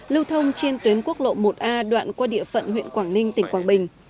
lưu thông trên tuyến quốc lộ một a đoạn qua địa phận huyện quảng ninh tỉnh quảng bình